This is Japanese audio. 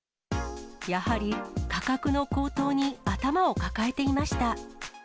やはり価格の高騰に頭を抱えていました。